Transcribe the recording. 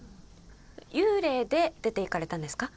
幽霊で出て行かれたんですか？